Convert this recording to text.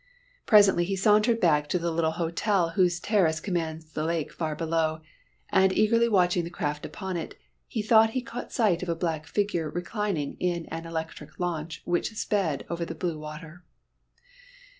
Presently he sauntered back to the little hotel whose terrace commands the lake far below, and eagerly watching the craft upon it, he thought he caught sight of a black figure reclining in an electric launch which sped over the blue water.